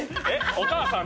お母さん。